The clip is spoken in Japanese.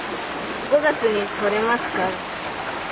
５月にとれますか？